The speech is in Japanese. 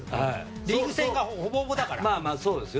リーグ戦がほぼほぼだから。